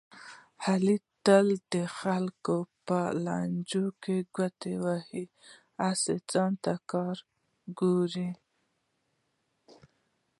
علي تل د خلکو په لانجو کې ګوتې وهي، هسې ځان ته کار ګوري.